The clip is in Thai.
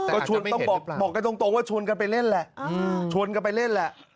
ก็บอกกับตรงว่าชวนกันไปเล่นแหละ